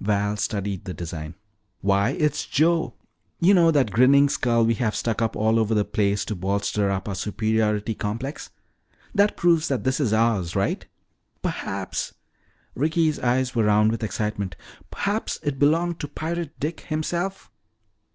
Val studied the design. "Why, it's Joe! You know, that grinning skull we have stuck up all over the place to bolster up our superiority complex. That proves that this is ours, all right." "Perhaps " Ricky's eyes were round with excitement, "perhaps it belonged to Pirate Dick himself!"